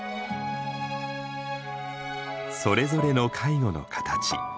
それぞれの介護の形。